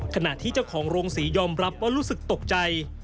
ขณะที่เจ้าของโรงศรียอมรับว่ารู้สึกตกใจ